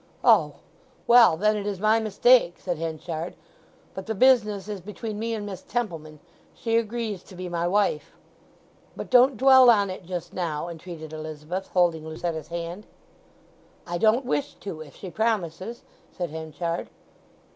"Oh—well. Then it is my mistake," said Henchard. "But the business is between me and Miss Templeman. She agrees to be my wife." "But don't dwell on it just now," entreated Elizabeth, holding Lucetta's hand. "I don't wish to, if she promises," said Henchard.